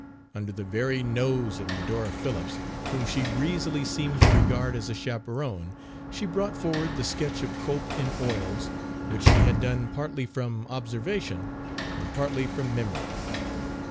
Under the very nose of Medora Phillips, whom she breezily seemed to regard as a chaperon, she brought forward the sketch of Cope in oils, which she had done partly from observation and partly from memory.